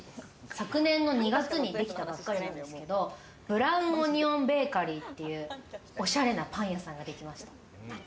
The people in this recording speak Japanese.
昨年の２月にできたばっかりなんですけれども、ブラウンオニオンベーカリーというおしゃれなパン屋さんができました。